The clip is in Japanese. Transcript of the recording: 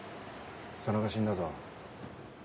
佐野が死んだぞ。